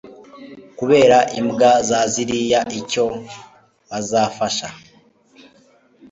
kubera imbwa zaziriye icyo bazabafasha